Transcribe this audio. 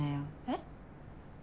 えっ？